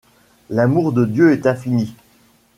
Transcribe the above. L'amour de Dieu est infini.